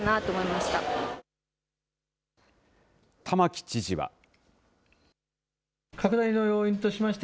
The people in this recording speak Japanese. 玉城知事は。